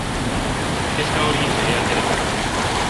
Kezka hori ere atera da.